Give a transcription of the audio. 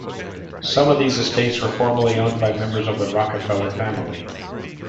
Some of these estates were formerly owned by members of the Rockefeller family.